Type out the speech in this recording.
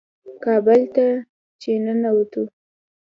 کابل ته چې ننوتو.